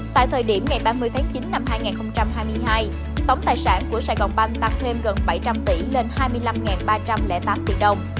tại thời điểm ngày ba mươi tháng chín năm hai nghìn hai mươi hai tổng tài sản của sài gòn banh tăng thêm gần bảy trăm linh tỷ lên hai mươi năm ba trăm linh tám triệu đồng